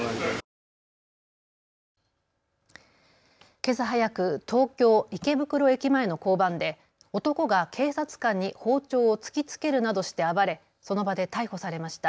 けさ早く、東京池袋駅前の交番で男が警察官に包丁を突きつけるなどして暴れその場で逮捕されました。